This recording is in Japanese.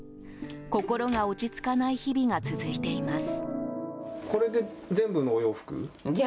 心が落ち着かない日々が続いています。